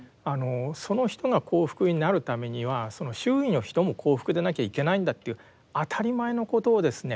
その人が幸福になるためにはその周囲の人も幸福でなきゃいけないんだという当たり前のことをですね